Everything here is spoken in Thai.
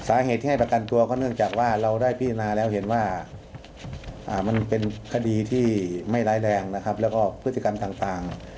สาเหตุที่ให้ประกันตัวก็เนื่องจากว่าเราได้พิจารณาแล้วเห็นว่ามันเป็นคดีที่ไม่ร้ายแรงนะครับแล้วก็พฤติกรรมต่าง